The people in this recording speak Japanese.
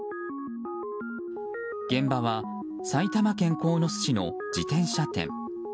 現場は埼玉県鴻巣市の自転車店。